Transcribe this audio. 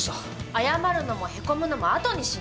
謝るのもへこむのもあとにしな。